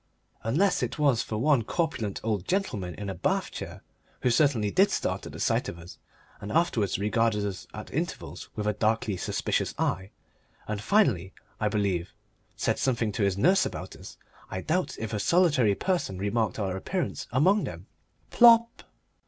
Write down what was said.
Unless it was for one corpulent old gentleman in a bath chair, who certainly did start at the sight of us and afterwards regarded us at intervals with a darkly suspicious eye, and, finally, I believe, said something to his nurse about us, I doubt if a solitary person remarked our sudden appearance among them. Plop!